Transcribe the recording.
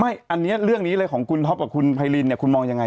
อันนี้เรื่องนี้เลยของคุณท็อปกับคุณไพรินเนี่ยคุณมองยังไง